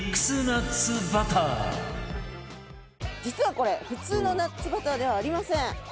実はこれ普通のナッツバターではありません。